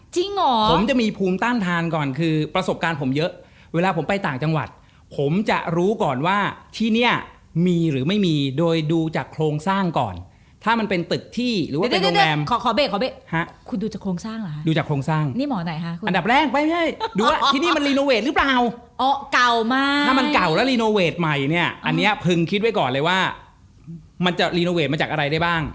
ใช่แต่ไม่เชื่อนะว่ามีผี